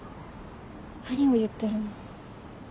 何を言ってるの？